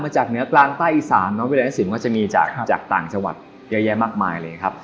มาจากเหนือกลางใต้อีสานน้องเวลานักศึกษีมก็จะมีจากต่างจังหวัดเยอะแยะมากมายเลยครับ